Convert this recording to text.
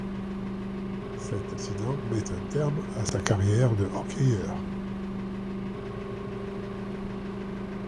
Cet accident met un terme à sa carrière de hockeyeur.